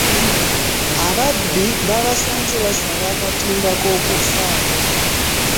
Ababbi babasanze basala akatimba ko ku ffaamu.